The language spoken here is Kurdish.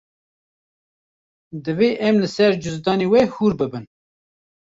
Divê em li ser cizdanê we hûr bibin.